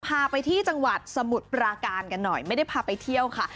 พาไปที่จังหวัดสมุทรปราการกันหน่อยไม่ได้พาไปเที่ยวค่ะ